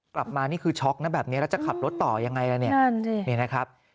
กลับมานี่คือช็อกแบบนี้แล้วจะขับรถต่อยังไงละ